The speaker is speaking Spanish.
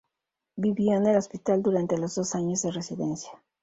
Vivió en el hospital durante los dos años de residencia.